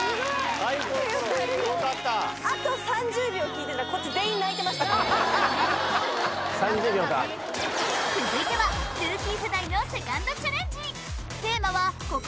最高よかったこっち３０秒か続いてはルーキー世代のセカンドチャレンジ！